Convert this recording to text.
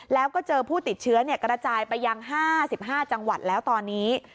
แล้วก็เจอผู้ติดเชื้อกระจายไปยัง๕๕จังหวัดแล้วตอนนี้